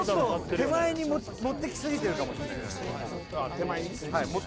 手前に持ってきすぎてるかもしんないですあっ